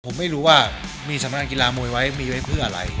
ผมไม่รู้ว่ามีสำนักกีฬามวยไว้เผื่ออะไร